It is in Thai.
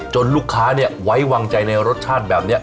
ลูกค้าไว้วางใจในรสชาติแบบนี้